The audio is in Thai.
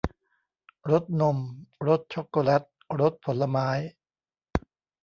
รสนม รสช็อกโกแลต รสผลไม้